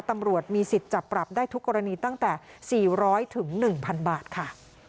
ตำรวจมีสิทธิ์จะปรับได้ทุกกรณีตั้งแต่๔๐๐๑๐๐บาทค่ะ